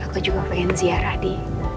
aku juga pengen ziarah di